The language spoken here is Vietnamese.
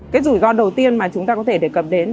cái rủi ro đầu tiên mà chúng ta có thể đề cập đến